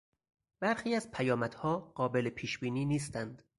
برخی از پیامدها قابل پیش بینی نیستند.